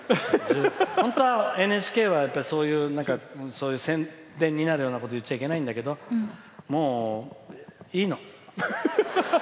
本当はＮＨＫはそういう宣伝になるようなこと言っちゃいけないんだけどもういいの。